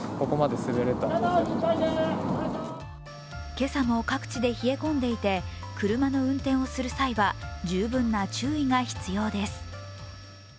今朝も各地で冷え込んでいて車の運転をする際は十分な注意が必要です。